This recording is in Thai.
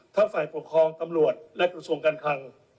ฝ่ายปกครองตำรวจและกระทรวงการคลัง